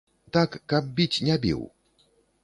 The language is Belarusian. Так каб біць, не біў.